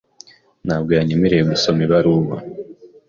Ntabwo yanyemereye gusoma ibaruwa.